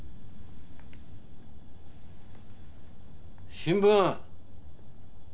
新聞。